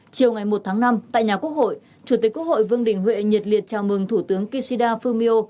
chiều ngày một tháng năm tại nhà quốc hội chủ tịch quốc hội vương đình huệ nhiệt liệt chào mừng thủ tướng kishida fumio